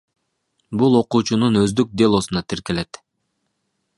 Бул окуучунун өздүк делосуна тиркелет.